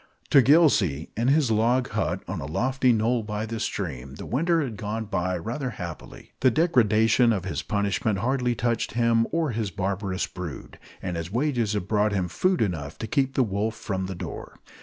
To Gillsey, in his log hut on a lofty knoll by the stream, the winter had gone by rather happily. The degradation of his punishment hardly touched him or his barbarous brood; and his wages had brought him food enough to keep the wolf from the door.